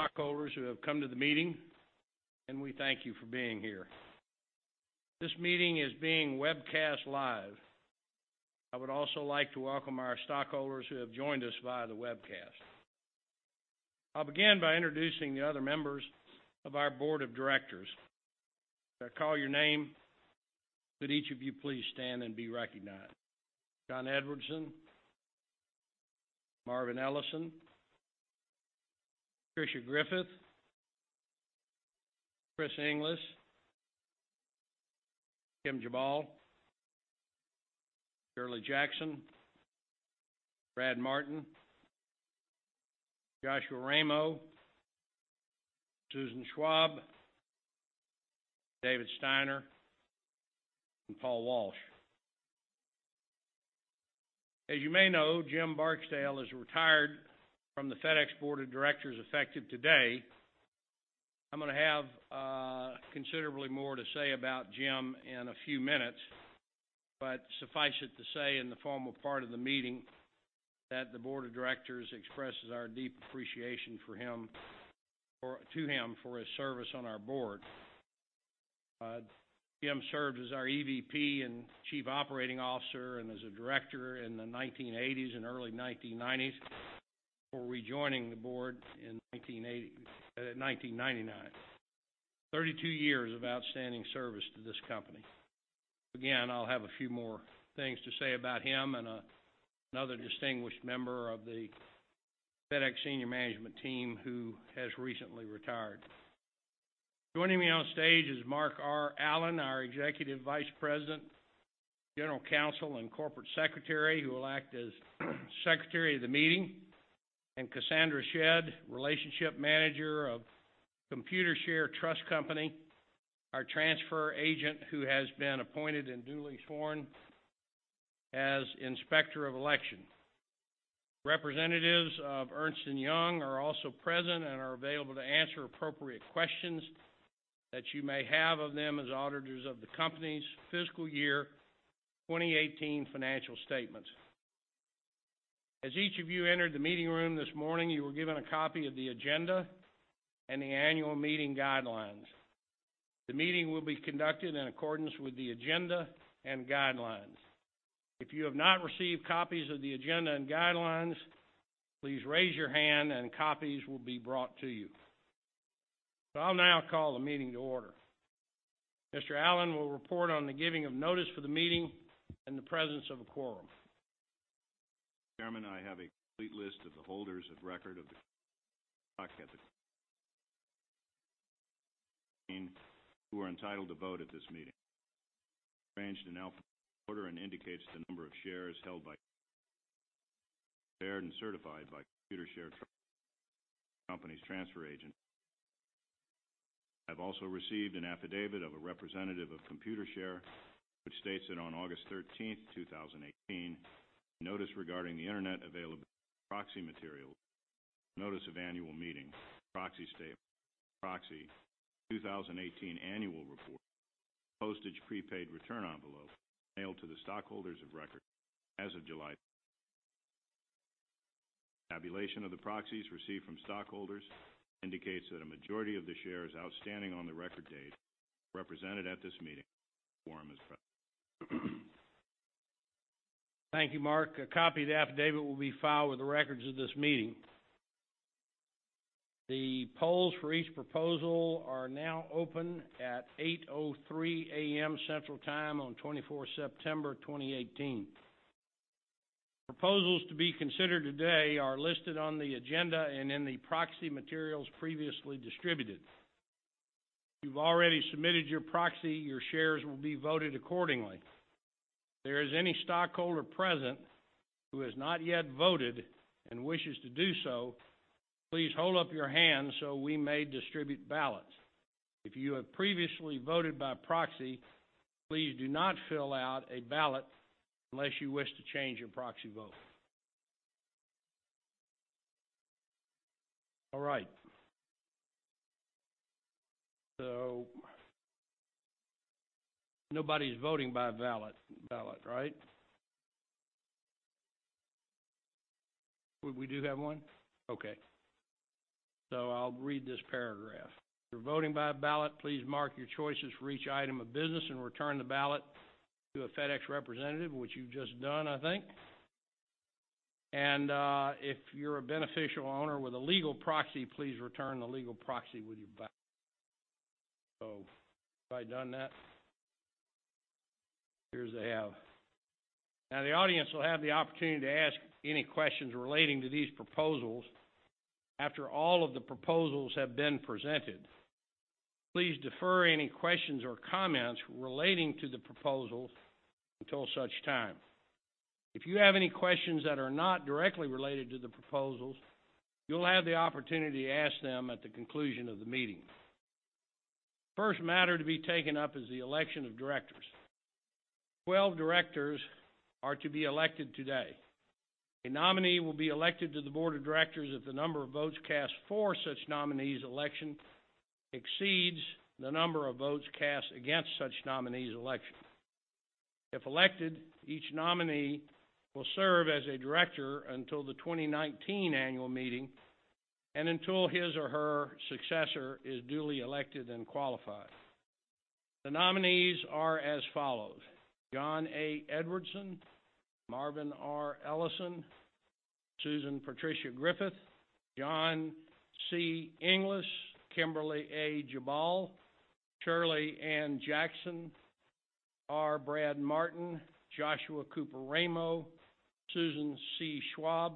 Our stockholders who have come to the meeting, and we thank you for being here. This meeting is being webcast live. I would also like to welcome our stockholders who have joined us via the webcast. I'll begin by introducing the other members of our Board of Directors. As I call your name, could each of you please stand and be recognized? John Edwardson, Marvin Ellison, Patricia Griffith, Chris Inglis, Kim Jabal, Shirley Jackson, Brad Martin, Joshua Ramo, Susan Schwab, David Steiner, and Paul Walsh. As you may know, Jim Barksdale is retired from the FedEx Board of Directors, effective today. I'm going to have considerably more to say about Jim in a few minutes, but suffice it to say, in the formal part of the meeting, that the board of directors expresses our deep appreciation to him for his service on our board. Jim served as our EVP and Chief Operating Officer and as a director in the 1980s and early 1990s, before rejoining the board in 1999. 32 years of outstanding service to this company. Again, I'll have a few more things to say about him and another distinguished member of the FedEx senior management team who has recently retired. Joining me on stage is Mark R. Allen, our Executive Vice President, General Counsel, and Corporate Secretary, who will act as secretary of the meeting, and Cassandra Shedd, relationship manager of Computershare Trust Company, our transfer agent who has been appointed and duly sworn as Inspector of Election. Representatives of Ernst & Young are also present and are available to answer appropriate questions that you may have of them as auditors of the company's fiscal year 2018 financial statements. As each of you entered the meeting room this morning, you were given a copy of the agenda and the annual meeting guidelines. The meeting will be conducted in accordance with the agenda and guidelines. If you have not received copies of the agenda and guidelines, please raise your hand and copies will be brought to you. I'll now call the meeting to order. Mr. Allen will report on the giving of notice for the meeting and the presence of a quorum. Chairman, I have a complete list of the holders of record of the who are entitled to vote at this meeting. arranged in alphabetical order and indicates the number of shares held by and certified by Computershare Trust the company's transfer agent. I've also received an affidavit of a representative of Computershare, which states that on August 13th, 2018, notice regarding the internet availability of proxy materials, notice of annual meeting, proxy statement, proxy 2018 annual report, postage prepaid return envelope, mailed to the stockholders of record as of July. Tabulation of the proxies received from stockholders indicates that a majority of the shares outstanding on the record date represented at this meeting. Quorum is present. Thank you, Mark. A copy of the affidavit will be filed with the records of this meeting. The polls for each proposal are now open at 8:03 A.M. Central Time on 24 September 2018. Proposals to be considered today are listed on the agenda and in the proxy materials previously distributed. If you've already submitted your proxy, your shares will be voted accordingly. If there is any stockholder present who has not yet voted and wishes to do so, please hold up your hand so we may distribute ballots. If you have previously voted by proxy, please do not fill out a ballot unless you wish to change your proxy vote. All right. Nobody's voting by ballot, right? We do have one? Okay. I'll read this paragraph. If you're voting by ballot, please mark your choices for each item of business and return the ballot to a FedEx representative," which you've just done, I think. "If you're a beneficial owner with a legal proxy, please return the legal proxy with your ballot." Everybody done that? Appears they have. The audience will have the opportunity to ask any questions relating to these proposals after all of the proposals have been presented. Please defer any questions or comments relating to the proposals until such time. If you have any questions that are not directly related to the proposals, you'll have the opportunity to ask them at the conclusion of the meeting. First matter to be taken up is the election of directors. 12 directors are to be elected today. A nominee will be elected to the board of directors if the number of votes cast for such nominee's election exceeds the number of votes cast against such nominee's election. If elected, each nominee will serve as a director until the 2019 annual meeting and until his or her successor is duly elected and qualified. The nominees are as follows: John A. Edwardson, Marvin R. Ellison, Susan Patricia Griffith, John C. Inglis, Kimberly A. Jabal, Shirley Ann Jackson, R. Brad Martin, Joshua Cooper Ramo, Susan C. Schwab,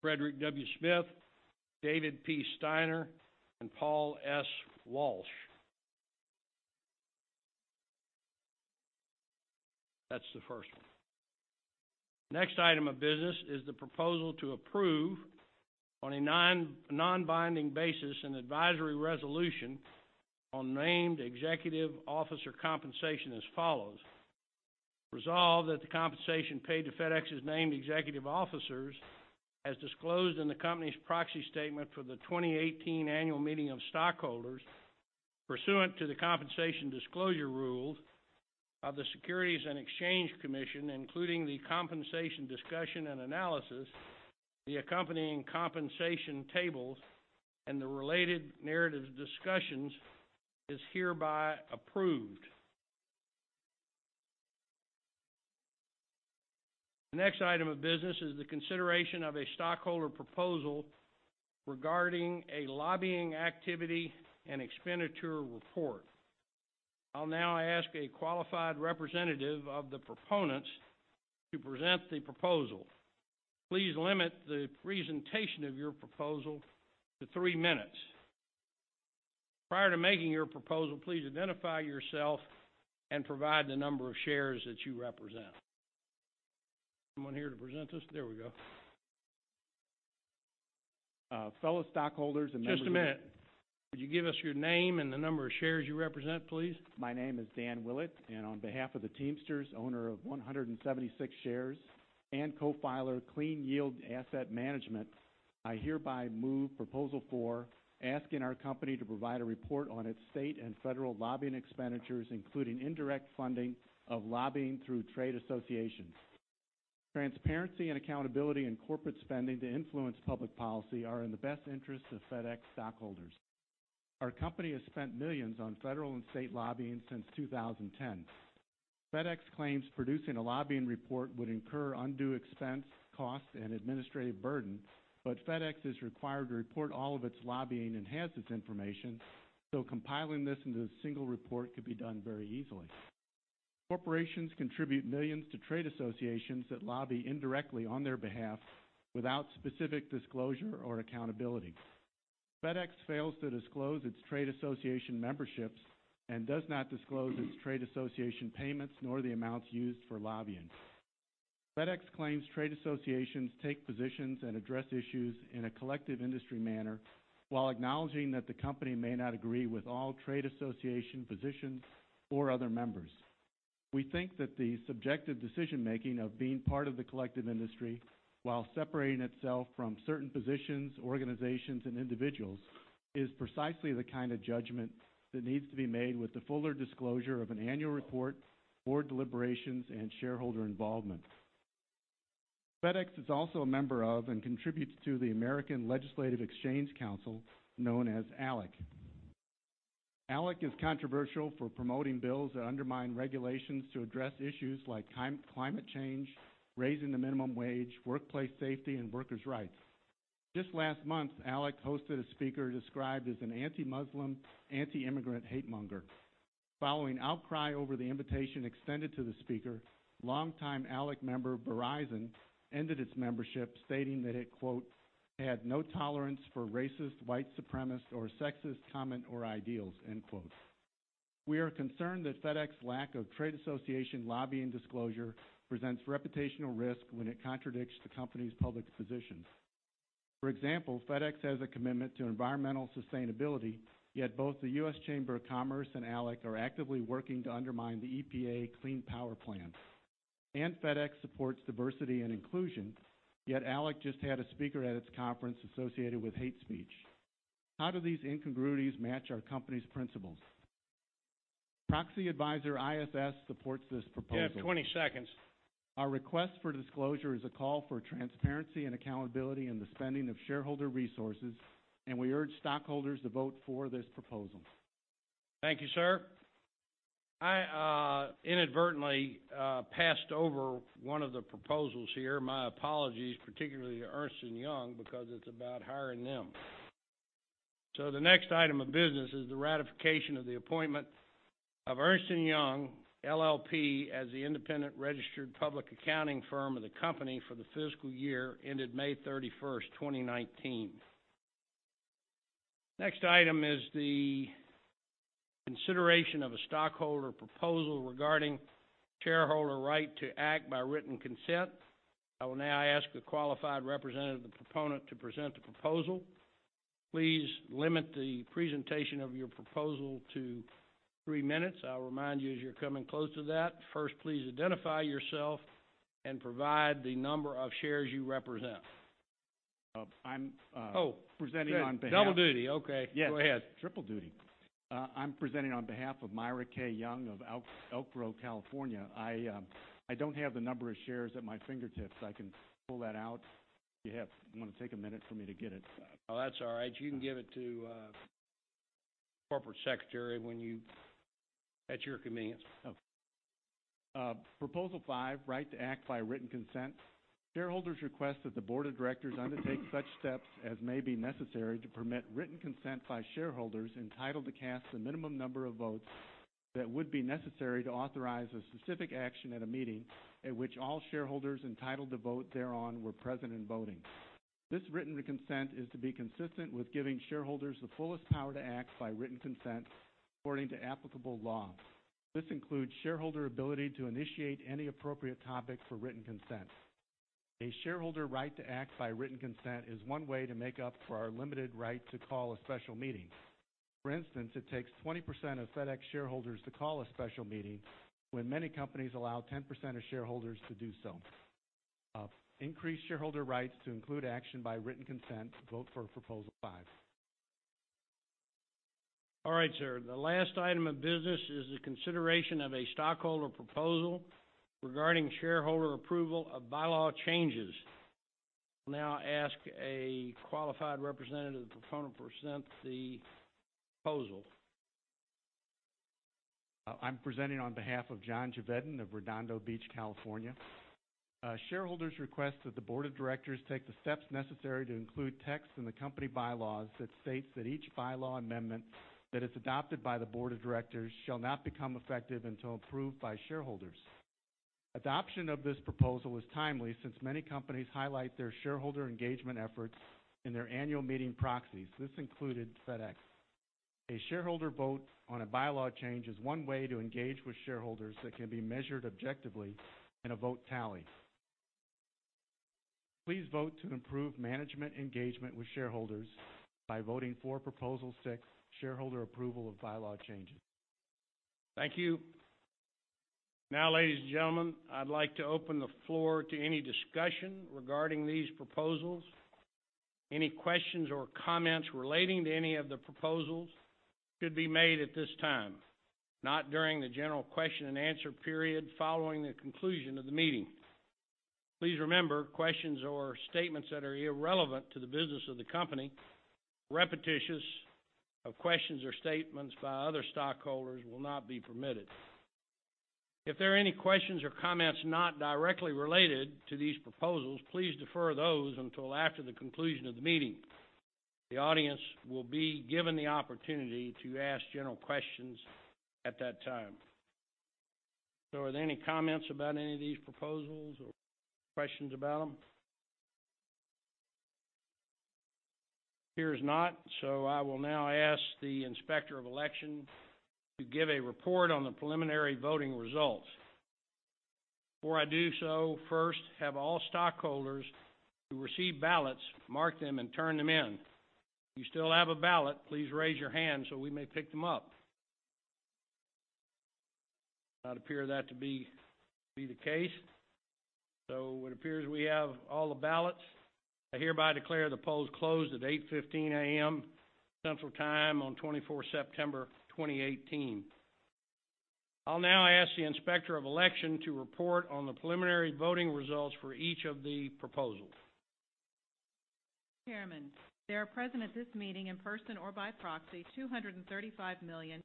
Frederick W. Smith, David P. Steiner, and Paul S. Walsh. That's the first one. Next item of business is the proposal to approve on a non-binding basis an advisory resolution on named executive officer compensation as follows. Resolved that the compensation paid to FedEx's named executive officers, as disclosed in the company's proxy statement for the 2018 annual meeting of stockholders pursuant to the compensation disclosure rules of the Securities and Exchange Commission, including the compensation discussion and analysis, the accompanying compensation tables, and the related narrative discussions, is hereby approved. The next item of business is the consideration of a stockholder proposal regarding a lobbying activity and expenditure report. I'll now ask a qualified representative of the proponents to present the proposal. Please limit the presentation of your proposal to three minutes. Prior to making your proposal, please identify yourself and provide the number of shares that you represent. Someone here to present to us? There we go. Fellow stockholders and members-. Just a minute. Could you give us your name and the number of shares you represent, please? My name is Dan Willett, and on behalf of the Teamsters, owner of 176 shares, and co-filer Clean Yield Asset Management, I hereby move proposal four, asking our company to provide a report on its state and federal lobbying expenditures, including indirect funding of lobbying through trade associations. Transparency and accountability in corporate spending to influence public policy are in the best interest of FedEx stockholders. Our company has spent millions on federal and state lobbying since 2010. FedEx claims producing a lobbying report would incur undue expense, costs, and administrative burden. FedEx is required to report all of its lobbying and has this information. Compiling this into a single report could be done very easily. Corporations contribute millions to trade associations that lobby indirectly on their behalf without specific disclosure or accountability. FedEx fails to disclose its trade association memberships and does not disclose its trade association payments nor the amounts used for lobbying. FedEx claims trade associations take positions and address issues in a collective industry manner while acknowledging that the company may not agree with all trade association positions or other members. We think that the subjective decision-making of being part of the collective industry while separating itself from certain positions, organizations, and individuals is precisely the kind of judgment that needs to be made with the fuller disclosure of an annual report, board deliberations, and shareholder involvement. FedEx is also a member of and contributes to the American Legislative Exchange Council, known as ALEC. ALEC is controversial for promoting bills that undermine regulations to address issues like climate change, raising the minimum wage, workplace safety, and workers' rights. Just last month, ALEC hosted a speaker described as an anti-Muslim, anti-immigrant hate monger. Following outcry over the invitation extended to the speaker, longtime ALEC member Verizon ended its membership, stating that it, quote, "had no tolerance for racist, white supremacist, or sexist comment or ideals," end quote. We are concerned that FedEx's lack of trade association lobbying disclosure presents reputational risk when it contradicts the company's public positions. For example, FedEx has a commitment to environmental sustainability, yet both the U.S. Chamber of Commerce and ALEC are actively working to undermine the EPA Clean Power Plan. FedEx supports diversity and inclusion, yet ALEC just had a speaker at its conference associated with hate speech. How do these incongruities match our company's principles? Proxy adviser ISS supports this proposal. You have 20 seconds. Our request for disclosure is a call for transparency and accountability in the spending of shareholder resources, and we urge stockholders to vote for this proposal. Thank you, sir. I inadvertently passed over one of the proposals here. My apologies, particularly to Ernst & Young, because it's about hiring them. The next item of business is the ratification of the appointment of Ernst & Young LLP, as the independent registered public accounting firm of the company for the fiscal year ended May 31st, 2019. Next item is the consideration of a stockholder proposal regarding shareholder right to act by written consent. I will now ask a qualified representative of the proponent to present the proposal. Please limit the presentation of your proposal to three minutes. I'll remind you as you're coming close to that. First, please identify yourself and provide the number of shares you represent. I'm presenting on behalf- Oh, good. Double duty, okay. Yes. Go ahead. Triple duty. I'm presenting on behalf of Myra K. Young of Elk Grove, California. I don't have the number of shares at my fingertips. I can pull that out if you have-- it's going to take a minute for me to get it. That's all right. You can give it to Corporate Secretary at your convenience. Proposal 5, right to act by written consent. Shareholders request that the board of directors undertake such steps as may be necessary to permit written consent by shareholders entitled to cast the minimum number of votes that would be necessary to authorize a specific action at a meeting at which all shareholders entitled to vote thereon were present and voting. This written consent is to be consistent with giving shareholders the fullest power to act by written consent according to applicable law. This includes shareholder ability to initiate any appropriate topic for written consent. A shareholder right to act by written consent is one way to make up for our limited right to call a special meeting. For instance, it takes 20% of FedEx shareholders to call a special meeting when many companies allow 10% of shareholders to do so. Increase shareholder rights to include action by written consent. Vote for proposal 5. All right, sir. The last item of business is the consideration of a stockholder proposal regarding shareholder approval of bylaw changes. I ask a qualified representative of the proponent to present the proposal. I'm presenting on behalf of John Chevedden of Redondo Beach, California. Shareholders request that the board of directors take the steps necessary to include text in the company bylaws that states that each bylaw amendment that is adopted by the board of directors shall not become effective until approved by shareholders. Adoption of this proposal is timely since many companies highlight their shareholder engagement efforts in their annual meeting proxies. This included FedEx. A shareholder vote on a bylaw change is one way to engage with shareholders that can be measured objectively in a vote tally. Please vote to improve management engagement with shareholders by voting for proposal six, shareholder approval of bylaw changes. Thank you. Ladies and gentlemen, I'd like to open the floor to any discussion regarding these proposals. Any questions or comments relating to any of the proposals should be made at this time, not during the general question and answer period following the conclusion of the meeting. Please remember, questions or statements that are irrelevant to the business of the company, repetitious of questions or statements by other stockholders will not be permitted. If there are any questions or comments not directly related to these proposals, please defer those until after the conclusion of the meeting. The audience will be given the opportunity to ask general questions at that time. Are there any comments about any of these proposals or questions about them? Hears not. I will now ask the inspector of election to give a report on the preliminary voting results. Before I do so, first, have all stockholders who received ballots mark them and turn them in. If you still have a ballot, please raise your hand so we may pick them up. Not appear that to be the case. It appears we have all the ballots. I hereby declare the polls closed at 8:15 A.M. Central Time on 24 September 2018. I'll now ask the inspector of election to report on the preliminary voting results for each of the proposals. Chairman, there are present at this meeting in person or by proxy, 235,813,252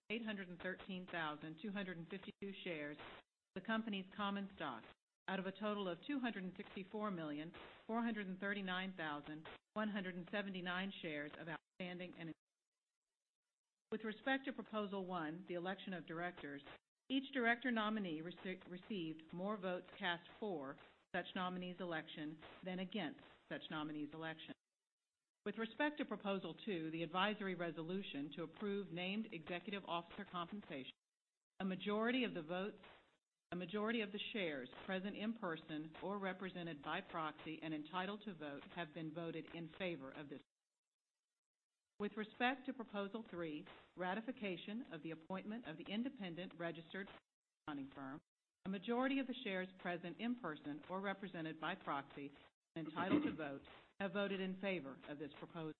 shares of the company's common stock, out of a total of 264,439,179 shares of outstanding. With respect to proposal one, the election of directors, each director nominee received more votes cast for such nominee's election than against such nominee's election. With respect to proposal two, the advisory resolution to approve named executive officer compensation, a majority of the shares present in person or represented by proxy and entitled to vote have been voted in favor of this. With respect to proposal three, ratification of the appointment of the independent registered accounting firm, a majority of the shares present in person or represented by proxy and entitled to vote have voted in favor of this proposal.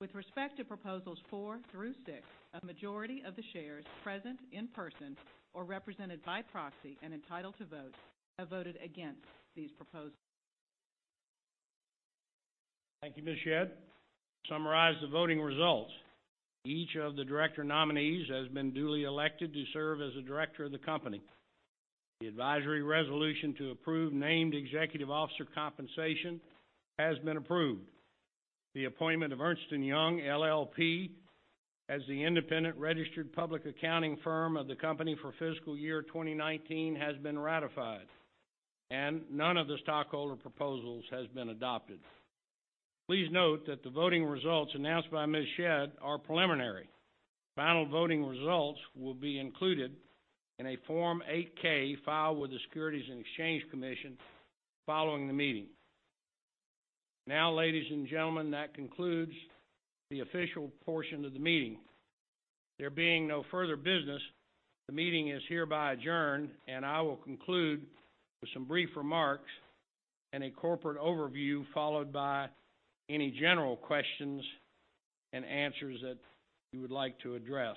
With respect to proposals four through six, a majority of the shares present in person or represented by proxy and entitled to vote have voted against these proposals. Thank you, Ms. Shedd. To summarize the voting results, each of the director nominees has been duly elected to serve as a director of the company. The advisory resolution to approve named executive officer compensation has been approved. The appointment of Ernst & Young LLP as the independent registered public accounting firm of the company for fiscal year 2019 has been ratified. None of the stockholder proposals has been adopted. Please note that the voting results announced by Ms. Shedd are preliminary. Final voting results will be included in a Form 8-K filed with the Securities and Exchange Commission following the meeting. Ladies and gentlemen, that concludes the official portion of the meeting. There being no further business, the meeting is hereby adjourned, I will conclude with some brief remarks and a corporate overview, followed by any general questions and answers that you would like to address.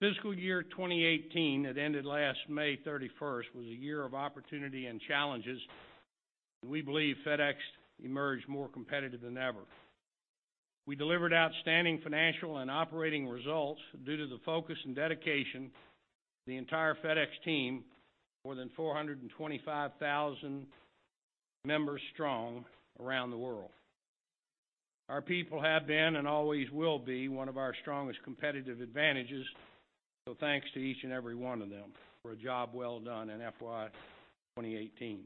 Fiscal year 2018, that ended last May 31st, was a year of opportunity and challenges. We believe FedEx emerged more competitive than ever. We delivered outstanding financial and operating results due to the focus and dedication of the entire FedEx team, more than 425,000 members strong around the world. Our people have been and always will be one of our strongest competitive advantages, so thanks to each and every one of them for a job well done in FY 2018.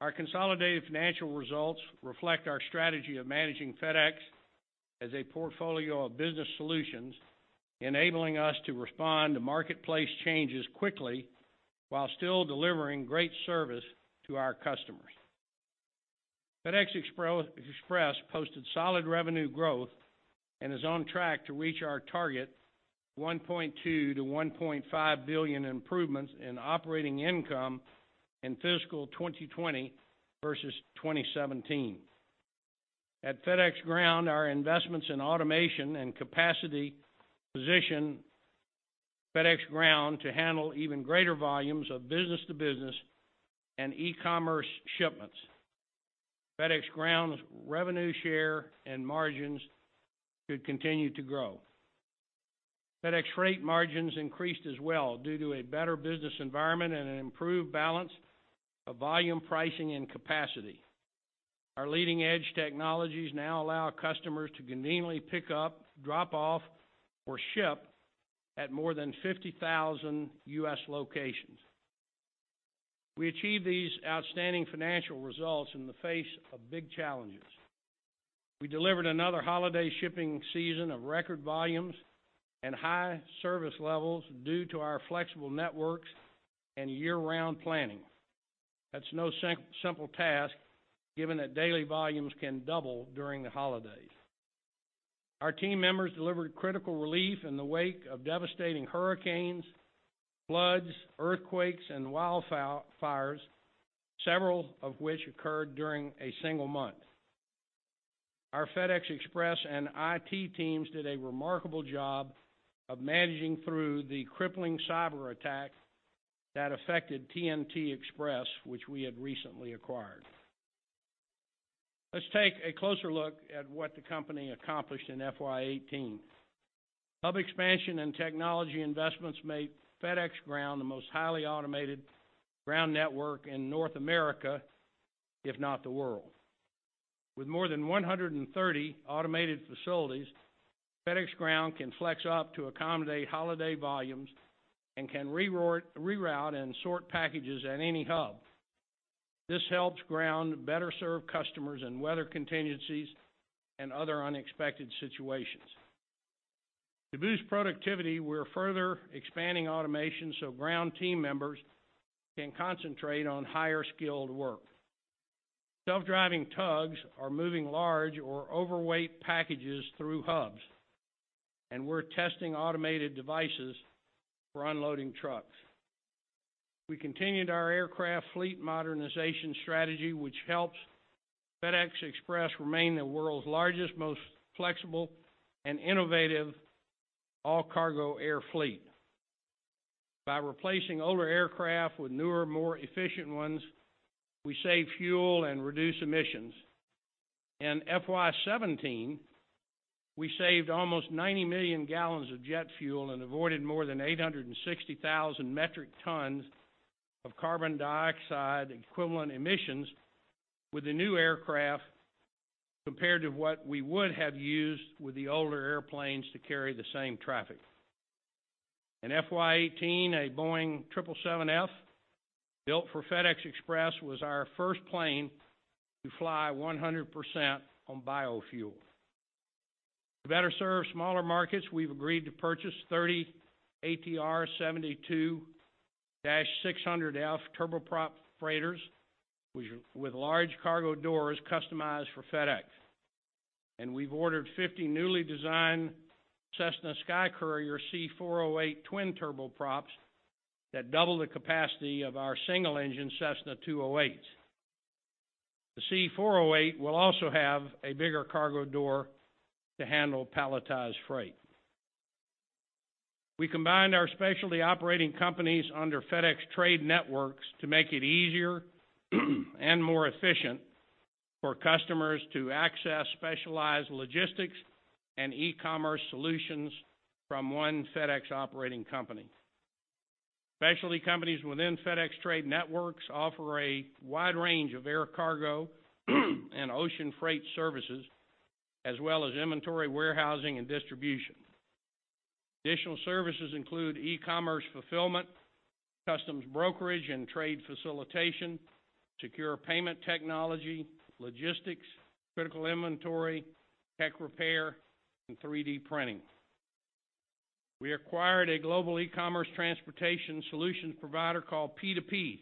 Our consolidated financial results reflect our strategy of managing FedEx as a portfolio of business solutions, enabling us to respond to marketplace changes quickly while still delivering great service to our customers. FedEx Express posted solid revenue growth and is on track to reach our target of $1.2 billion-$1.5 billion improvements in operating income in fiscal 2020 versus 2017. At FedEx Ground, our investments in automation and capacity position FedEx Ground to handle even greater volumes of business-to-business and e-commerce shipments. FedEx Ground's revenue share and margins should continue to grow. FedEx Freight margins increased as well due to a better business environment and an improved balance of volume pricing and capacity. Our leading-edge technologies now allow customers to conveniently pick up, drop off, or ship at more than 50,000 U.S. locations. We achieved these outstanding financial results in the face of big challenges. We delivered another holiday shipping season of record volumes and high service levels due to our flexible networks and year-round planning. That's no simple task given that daily volumes can double during the holidays. Our team members delivered critical relief in the wake of devastating hurricanes, floods, earthquakes, and wildfires, several of which occurred during a single month. Our FedEx Express and IT teams did a remarkable job of managing through the crippling cyber attack that affected TNT Express, which we had recently acquired. Let's take a closer look at what the company accomplished in FY 2018. Hub expansion and technology investments made FedEx Ground the most highly automated Ground network in North America, if not the world. With more than 130 automated facilities, FedEx Ground can flex up to accommodate holiday volumes and can reroute and sort packages at any hub. This helps Ground better serve customers in weather contingencies and other unexpected situations. To boost productivity, we're further expanding automation so Ground team members can concentrate on higher skilled work. Self-driving tugs are moving large or overweight packages through hubs, and we're testing automated devices for unloading trucks. We continued our aircraft fleet modernization strategy, which helps FedEx Express remain the world's largest, most flexible, and innovative all-cargo air fleet. By replacing older aircraft with newer, more efficient ones, we save fuel and reduce emissions. In FY 2017, we saved almost 90 million gallons of jet fuel and avoided more than 860,000 metric tons of carbon dioxide equivalent emissions with the new aircraft compared to what we would have used with the older airplanes to carry the same traffic. In FY 2018, a Boeing 777F built for FedEx Express was our first plane to fly 100% on biofuel. To better serve smaller markets, we've agreed to purchase 30 ATR 72-600F turboprop freighters with large cargo doors customized for FedEx. We've ordered 50 newly designed Cessna SkyCourier C408 twin turboprops that double the capacity of our single-engine Cessna 208. The C408 will also have a bigger cargo door to handle palletized freight. We combined our specialty operating companies under FedEx Trade Networks to make it easier and more efficient for customers to access specialized logistics and e-commerce solutions from one FedEx operating company. Specialty companies within FedEx Trade Networks offer a wide range of air cargo and ocean freight services, as well as inventory warehousing and distribution. Additional services include e-commerce fulfillment, customs brokerage and trade facilitation, secure payment technology, logistics, critical inventory, tech repair, and 3D printing. We acquired a global e-commerce transportation solutions provider called P2P,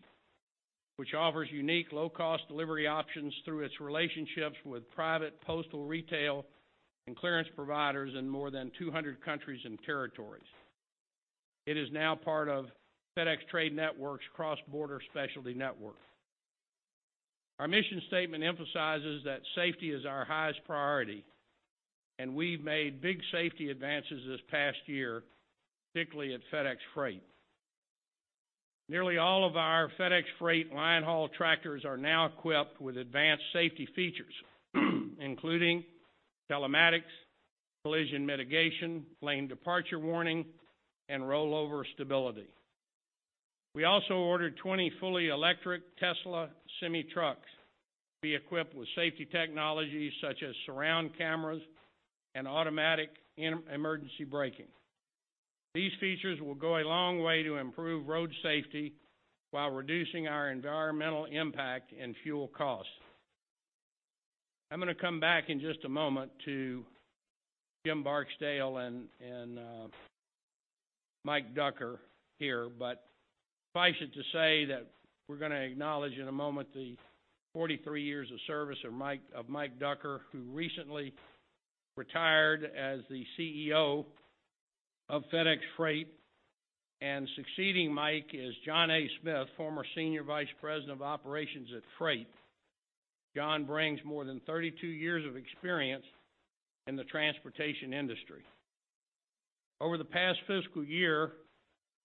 which offers unique low-cost delivery options through its relationships with private postal, retail, and clearance providers in more than 200 countries and territories. It is now part of FedEx Trade Networks' cross-border specialty network. Our mission statement emphasizes that safety is our highest priority, and we've made big safety advances this past year, particularly at FedEx Freight. Nearly all of our FedEx Freight line haul tractors are now equipped with advanced safety features, including telematics, collision mitigation, lane departure warning, and rollover stability. We also ordered 20 fully electric Tesla semi-trucks to be equipped with safety technologies such as surround cameras and automatic emergency braking. These features will go a long way to improve road safety while reducing our environmental impact and fuel costs. I'm going to come back in just a moment to Jim Barksdale and Mike Ducker here. Suffice it to say that we're going to acknowledge in a moment the 43 years of service of Mike Ducker, who recently retired as the CEO of FedEx Freight. Succeeding Mike is John A. Smith, former Senior Vice President of Operations at FedEx Freight. John brings more than 32 years of experience in the transportation industry. Over the past fiscal year,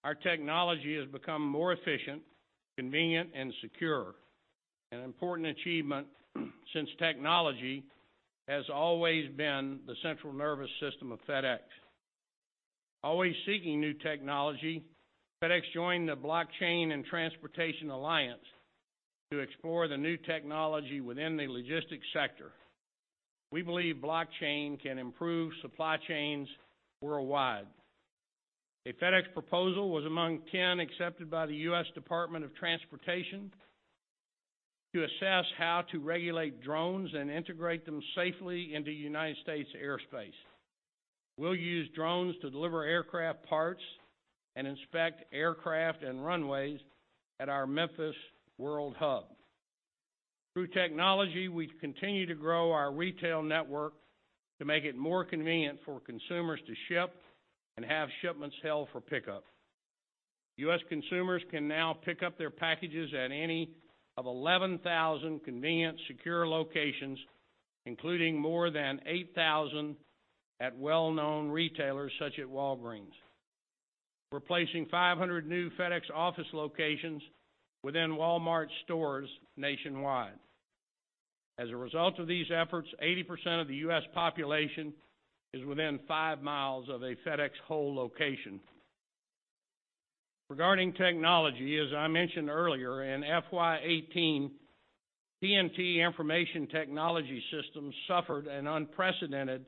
our technology has become more efficient, convenient, and secure, an important achievement since technology has always been the central nervous system of FedEx. Always seeking new technology, FedEx joined the Blockchain in Transport Alliance to explore the new technology within the logistics sector. We believe blockchain can improve supply chains worldwide. A FedEx proposal was among 10 accepted by the U.S. Department of Transportation to assess how to regulate drones and integrate them safely into United States airspace. We'll use drones to deliver aircraft parts and inspect aircraft and runways at our Memphis world hub. Through technology, we continue to grow our retail network to make it more convenient for consumers to ship and have shipments held for pickup. U.S. consumers can now pick up their packages at any of 11,000 convenient, secure locations, including more than 8,000 at well-known retailers such as Walgreens. We're placing 500 new FedEx Office locations within Walmart stores nationwide. As a result of these efforts, 80% of the U.S. population is within five miles of a FedEx Hold at Location. Regarding technology, as I mentioned earlier, in FY 2018, TNT information technology systems suffered an unprecedented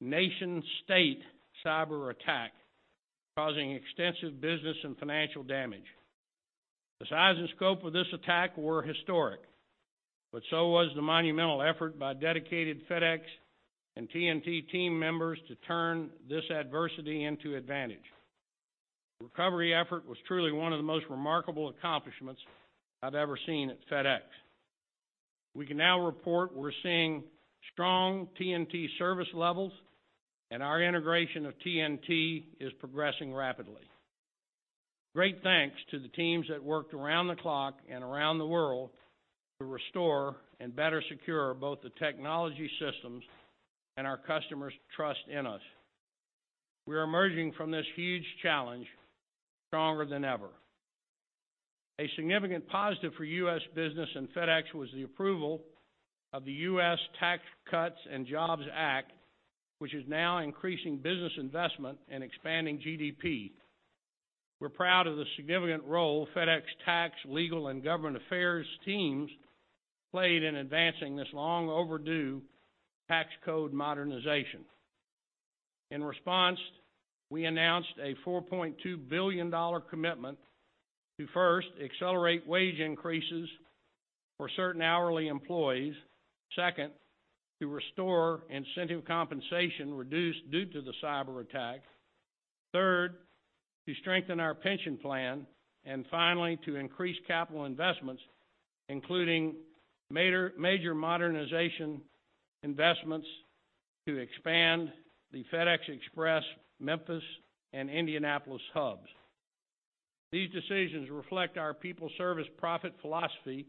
nation-state cyberattack, causing extensive business and financial damage. The size and scope of this attack were historic, but so was the monumental effort by dedicated FedEx and TNT team members to turn this adversity into advantage. The recovery effort was truly one of the most remarkable accomplishments I've ever seen at FedEx. We can now report we're seeing strong TNT service levels, and our integration of TNT is progressing rapidly. Great thanks to the teams that worked around the clock and around the world to restore and better secure both the technology systems and our customers' trust in us. We are emerging from this huge challenge stronger than ever. A significant positive for U.S. business and FedEx was the approval of the U.S. Tax Cuts and Jobs Act of 2017, which is now increasing business investment and expanding GDP. We're proud of the significant role FedEx tax, legal, and government affairs teams played in advancing this long-overdue tax code modernization. In response, we announced a $4.2 billion commitment to first accelerate wage increases for certain hourly employees. Second, to restore incentive compensation reduced due to the cyberattack. Third, to strengthen our pension plan, and finally, to increase capital investments, including major modernization investments to expand the FedEx Express Memphis and Indianapolis hubs. These decisions reflect our people, service, profit philosophy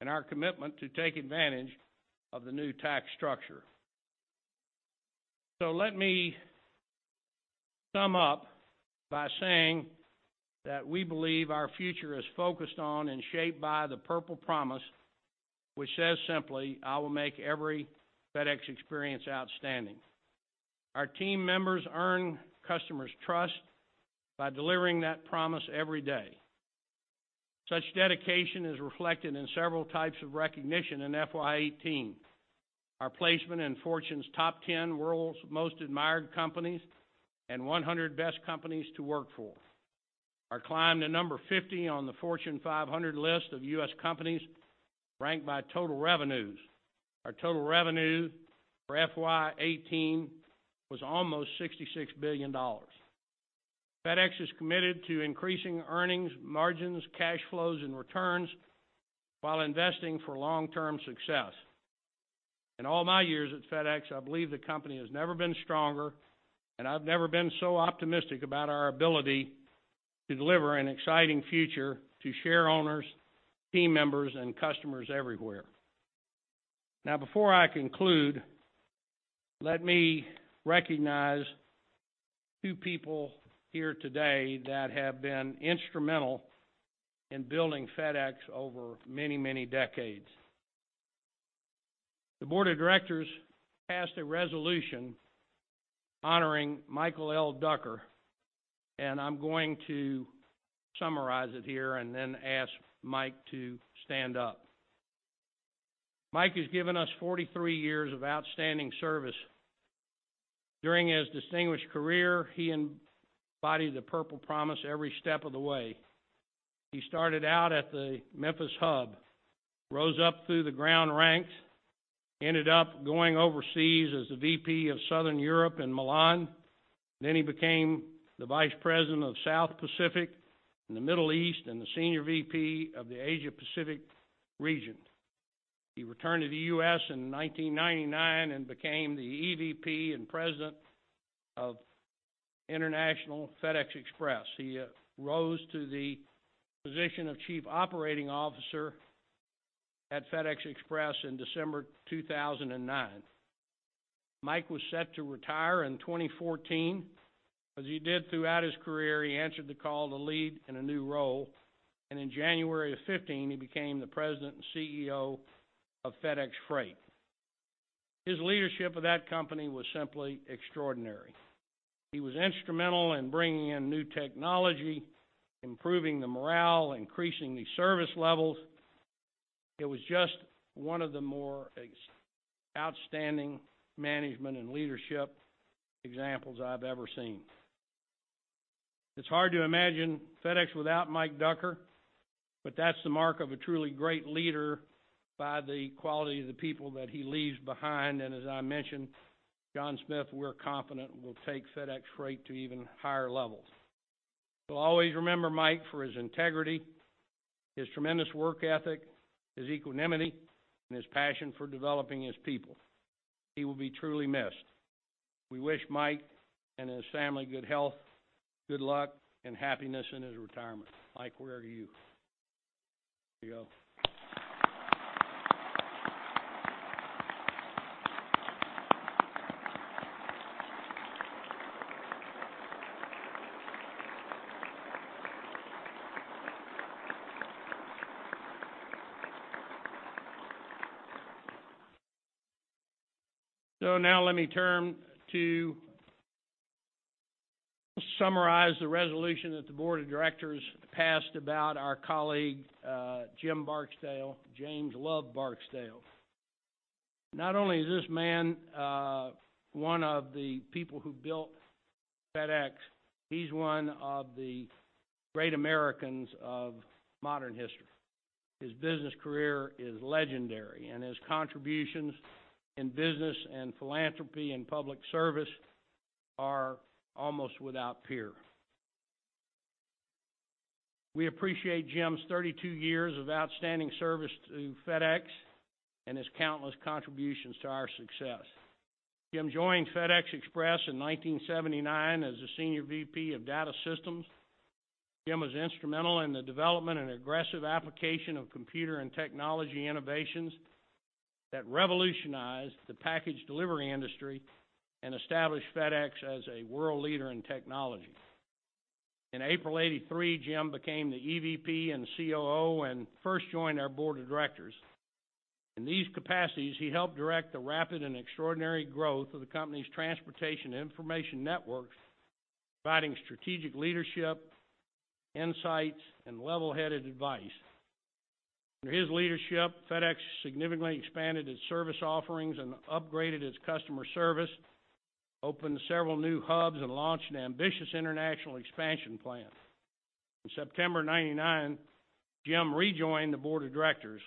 and our commitment to take advantage of the new tax structure. Let me sum up by saying that we believe our future is focused on and shaped by the Purple Promise, which says simply, "I will make every FedEx experience outstanding." Our team members earn customers' trust by delivering that promise every day. Such dedication is reflected in several types of recognition in FY 2018. Our placement in Fortune's top 10 World's Most Admired Companies and 100 Best Companies to Work For. Our climb to number 50 on the Fortune 500 list of U.S. companies ranked by total revenues. Our total revenue for FY 2018 was almost $66 billion. FedEx is committed to increasing earnings, margins, cash flows, and returns while investing for long-term success. In all my years at FedEx, I believe the company has never been stronger. I've never been so optimistic about our ability to deliver an exciting future to share owners, team members, and customers everywhere. Before I conclude, let me recognize two people here today that have been instrumental in building FedEx over many, many decades. The board of directors passed a resolution honoring Michael L. Ducker. I'm going to summarize it here and then ask Mike to stand up. Mike has given us 43 years of outstanding service. During his distinguished career, he embodied the Purple Promise every step of the way. He started out at the Memphis hub, rose up through the ground ranks, ended up going overseas as the VP of Southern Europe in Milan. He became the Vice President of South Pacific and the Middle East. The Senior VP of the Asia Pacific region. He returned to the U.S. in 1999 and became the EVP and President of International FedEx Express. He rose to the position of Chief Operating Officer at FedEx Express in December 2009. Mike was set to retire in 2014. As he did throughout his career, he answered the call to lead in a new role, and in January of 2015, he became the President and CEO of FedEx Freight. His leadership of that company was simply extraordinary. He was instrumental in bringing in new technology, improving the morale, increasing the service levels. It was just one of the more outstanding management and leadership examples I've ever seen. It's hard to imagine FedEx without Mike Ducker, but that's the mark of a truly great leader by the quality of the people that he leaves behind. As I mentioned, John Smith, we're confident, will take FedEx Freight to even higher levels. We'll always remember Mike for his integrity, his tremendous work ethic, his equanimity, and his passion for developing his people. He will be truly missed. We wish Mike and his family good health, good luck, and happiness in his retirement. Mike, where are you? There you go. Now let me turn to summarize the resolution that the board of directors passed about our colleague, Jim Barksdale. James Love Barksdale. Not only is this man one of the people who built FedEx, he's one of the great Americans of modern history. His business career is legendary. His contributions in business and philanthropy and public service are almost without peer. We appreciate Jim's 32 years of outstanding service to FedEx and his countless contributions to our success. Jim joined FedEx Express in 1979 as the Senior VP of data systems. Jim was instrumental in the development and aggressive application of computer and technology innovations that revolutionized the package delivery industry and established FedEx as a world leader in technology. In April 1983, Jim became the EVP and COO and first joined our board of directors. In these capacities, he helped direct the rapid and extraordinary growth of the company's transportation information networks, providing strategic leadership, insights, and level-headed advice. Under his leadership, FedEx significantly expanded its service offerings and upgraded its customer service, opened several new hubs, launched an ambitious international expansion plan. In September 1999, Jim rejoined the board of directors.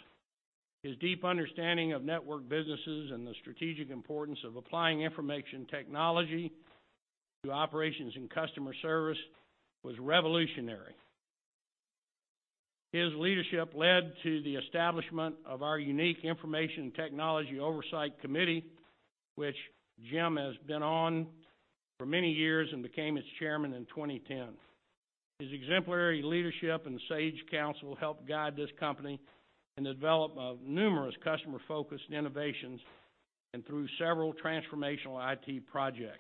His deep understanding of network businesses and the strategic importance of applying information technology to operations and customer service was revolutionary. His leadership led to the establishment of our unique Information Technology Oversight Committee, which Jim has been on for many years and became its chairman in 2010. His exemplary leadership and sage counsel helped guide this company in the development of numerous customer-focused innovations and through several transformational IT projects.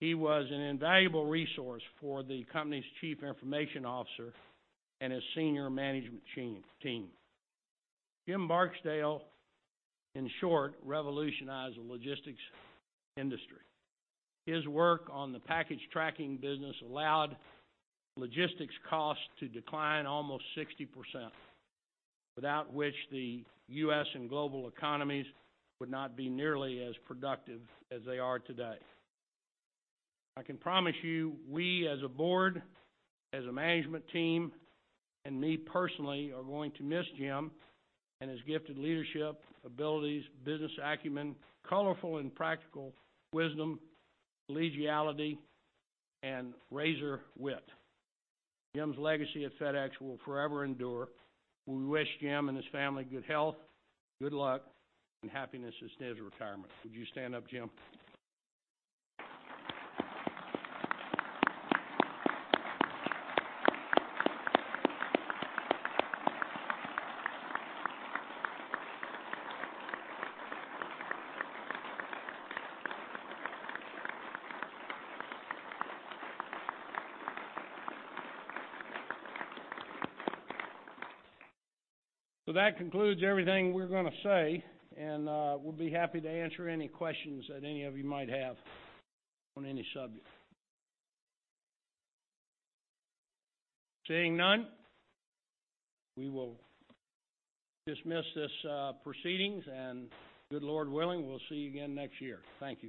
He was an invaluable resource for the company's chief information officer and his senior management team. Jim Barksdale, in short, revolutionized the logistics industry. His work on the package tracking business allowed logistics costs to decline almost 60%, without which the U.S. and global economies would not be nearly as productive as they are today. I can promise you, we as a board, as a management team, and me personally, are going to miss Jim and his gifted leadership, abilities, business acumen, colorful and practical wisdom, collegiality, and razor wit. Jim's legacy at FedEx will forever endure. We wish Jim and his family good health, good luck, and happiness in his retirement. Would you stand up, Jim? That concludes everything we're going to say. We'll be happy to answer any questions that any of you might have on any subject. Seeing none, we will dismiss this proceedings, and, good Lord willing, we'll see you again next year. Thank you.